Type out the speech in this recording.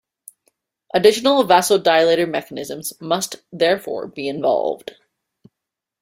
Additional vasodilator mechanisms must therefore be involved.